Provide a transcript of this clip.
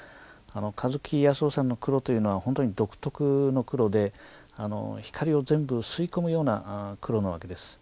香月泰男さんの黒というのは本当に独特の黒で光を全部吸い込むような黒なわけです。